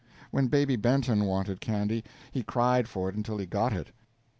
When Baby Benton wanted candy, he cried for it until he got it.